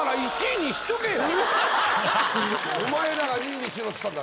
お前らが「２位にしろ」っつったんだ。